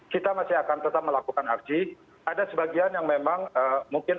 kita masih akan tetap melakukan aksi ada sebagian yang memang mungkin